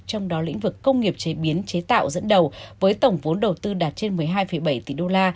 trong đó lĩnh vực công nghiệp chế biến chế tạo dẫn đầu với tổng vốn đầu tư đạt trên một mươi hai bảy tỷ đô la